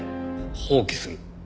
放棄する？